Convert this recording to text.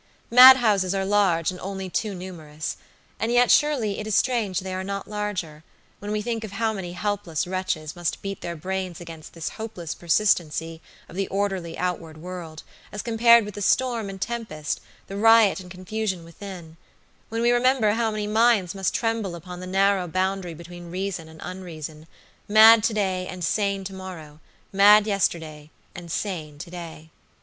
Madhouses are large and only too numerous; yet surely it is strange they are not larger, when we think of how many helpless wretches must beat their brains against this hopeless persistency of the orderly outward world, as compared with the storm and tempest, the riot and confusion withinwhen we remember how many minds must tremble upon the narrow boundary between reason and unreason, mad to day and sane to morrow, mad yesterday and sane to day.